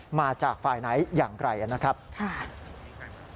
รวมถึงก็ต้องหาว่ากระสุนปริศนานี้มี